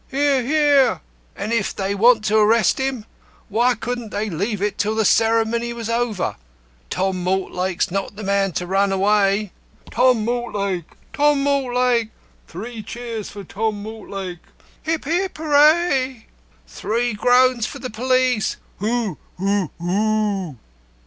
"Hear, Hear!" "And if they want to arrest him, why couldn't they leave it till the ceremony was over? Tom Mortlake's not the man to run away." "Tom Mortlake! Tom Mortlake! Three cheers for Tom Mortlake!" "Hip, hip, hip, hooray!" "Three groans for the police!" "Hoo!